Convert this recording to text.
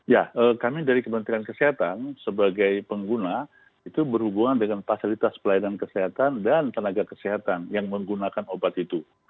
ya kami dari kementerian kesehatan sebagai pengguna itu berhubungan dengan fasilitas pelayanan kesehatan dan tenaga kesehatan yang menggunakan obat itu